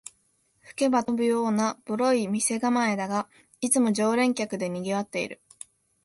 吹けば飛ぶようなボロい店構えだが、いつも常連客でにぎわってる